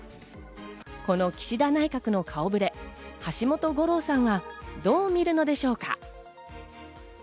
この岸田内閣の顔触れ、橋本五郎さんはどう見るのでしょうか？